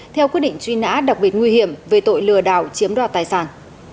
theo quyết định truy nã đặc biệt nguy hiểm về tội lừa đảo chiếm đoạt tài sản